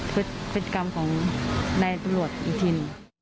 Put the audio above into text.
พฤติกรรมของนายตำรวจอย่างทิ้น